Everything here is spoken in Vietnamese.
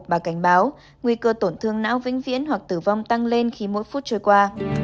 bà cảnh báo nguy cơ tổn thương não vĩnh viễn hoặc tử vong tăng lên khi mỗi phút trôi qua